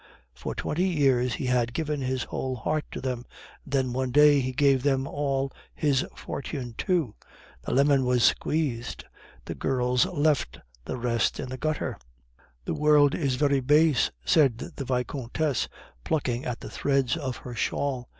For twenty years he had given his whole heart to them; then, one day, he gave them all his fortune too. The lemon was squeezed; the girls left the rest in the gutter." "The world is very base," said the Vicomtesse, plucking at the threads of her shawl.